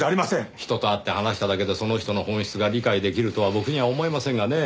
人と会って話しただけでその人の本質が理解できるとは僕には思えませんがねぇ。